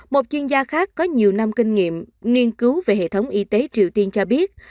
một chuyên gia khác có nhiều năm kinh nghiệm nghiên cứu về hệ thống y tế triều tiên cho biết